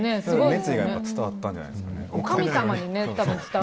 熱意が伝わったんじゃないですかね。